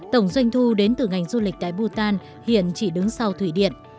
tổng doanh thu đến từ ngành du lịch tại bhutan hiện chỉ đứng sau thủy điện